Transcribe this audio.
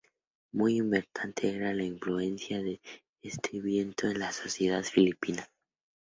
Muy importante era la influencia de este viento en la sociedad filipina.